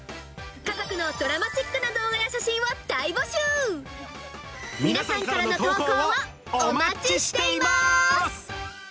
家族のドラマチックな動画や皆さんからの投稿をお待ちしています！